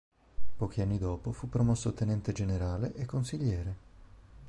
Pochi anni dopo fu promosso tenente generale e consigliere.